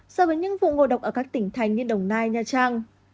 so với những vụ ngộ độc ở các tỉnh thành như đồng nai nha trang